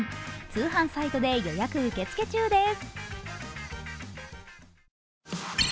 通販サイトで予約受け付け中です。